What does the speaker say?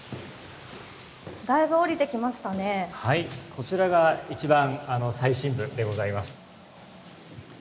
こちらが一番最深部でございます。